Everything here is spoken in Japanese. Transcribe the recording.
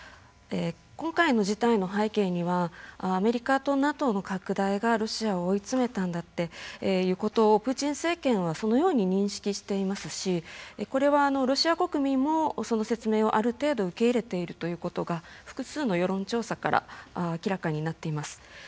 今回の事態の背景にはアメリカとＮＡＴＯの拡大がロシアを追い詰めたんだっていうことをプーチン政権はそのように認識していますしこれはロシア国民もその説明をある程度受け入れているということが複数の世論調査から明らかになっています。